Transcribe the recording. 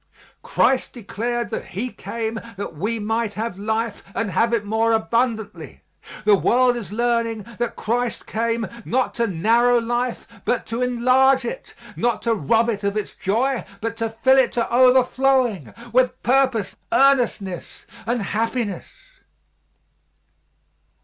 Christ declared that He came that we might have life and have it more abundantly. The world is learning that Christ came not to narrow life, but to enlarge it not to rob it of its joy, but to fill it to overflowing with purpose, earnestness and happiness.